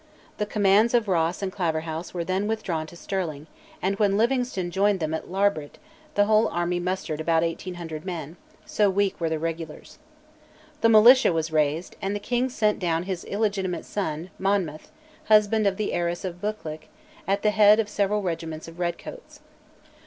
The commands of Ross and Claverhouse were then withdrawn to Stirling, and when Livingstone joined them at Larbert, the whole army mustered but 1800 men so weak were the regulars. The militia was raised, and the king sent down his illegitimate son, Monmouth, husband of the heiress of Buccleuch, at the head of several regiments of redcoats.